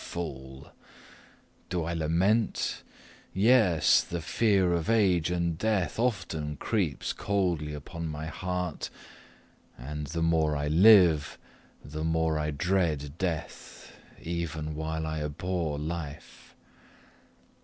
Fool! Do I lament? Yes, the fear of age and death often creeps coldly into my heart; and the more I live, the more I dread death, even while I abhor life.